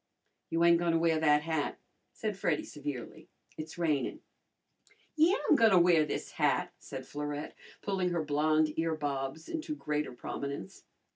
"You ain' gonna wear that hat," said Freddy severely. "It's rainin'." "Yeah, I'm gonna wear this hat," said Florette, pulling her blonde earbobs into greater prominence.